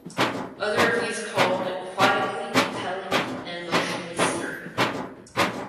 Other reviews called it "quietly compelling" and "emotionally stirring".